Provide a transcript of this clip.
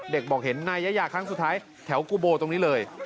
เด็กบอกเห็นในยาครั้งสุดท้ายแถวกูโบตรงนี้เลย